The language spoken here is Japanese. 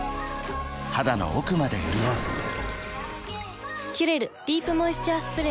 肌の奥まで潤う「キュレルディープモイスチャースプレー」